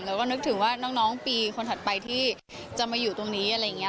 เราก็นึกถึงว่าน้องปีคนถัดไปที่จะมาอยู่ตรงนี้อะไรอย่างนี้